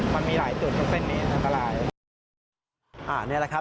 มันมีหลายสนในเส้นนี้นะคะ